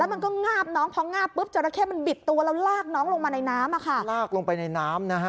มันก็งาบน้องพองาบปุ๊บจราเข้มันบิดตัวแล้วลากน้องลงมาในน้ำอ่ะค่ะลากลงไปในน้ำนะฮะ